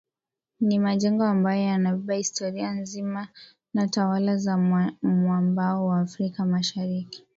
Ni majengo ambayo yanabeba historia nzima ya tawala za mwambao wa Afrika mashariki